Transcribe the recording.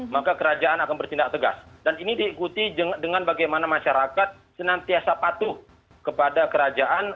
maka kerajaan akan bertindak tegas dan ini diikuti dengan bagaimana masyarakat senantiasa patuh kepada kerajaan